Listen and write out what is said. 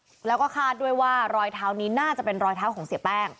แล้วก็คาดด้วยว่ารอยเท้านี้น่าจะเป็นรอยเท้าของเสียแป้ง